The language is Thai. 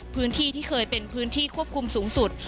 พื้นที่ที่เคยเป็นพื้นที่ควบคุมสูงสุด